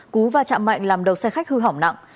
cú và chạm mạnh làm đầu xe khách hư hỏng nặng